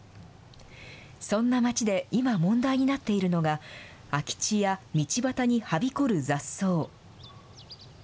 そんな町で今問題になっているのが、空き地や道端にはびこる雑草。